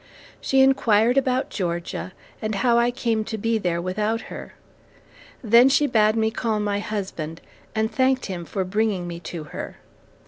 She inquired about Georgia, and how I came to be there without her. Then she bade me call my husband, and thanked him for bringing me to her.